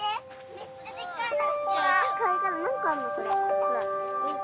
めっちゃでっかいの。